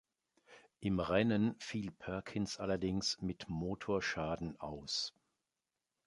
Im Rennen fiel Perkins allerdings mit Motorschaden aus.